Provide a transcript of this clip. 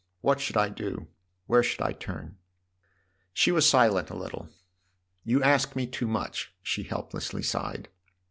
" What should I do ? where should I turn ?" She was silent a little. " You ask me too much !" she helplessly sighed.